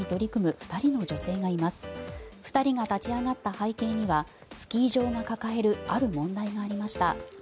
２人が立ち上がった背景にはスキー場が抱えるある問題がありました。